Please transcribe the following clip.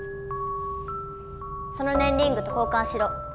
そのねんリングと交かんしろ。